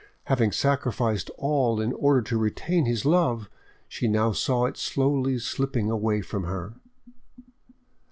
Having sacrificed all in order to retain his love, she now saw it slowly slipping away from her.